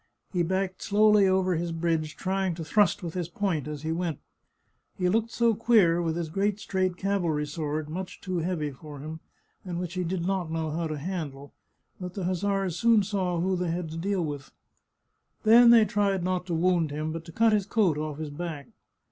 He backed slowly over his bridge, trying to thrust with his point as he went. He looked so queer, with his great straight cavalry sword, much too heavy for him, and which he did not know how to handle, that the hussars soon saw who they had to do with. Then they tried not to wound him, but to cut his coat off his back.